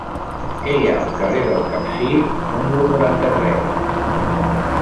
Què hi ha al carrer del Capcir número noranta-tres?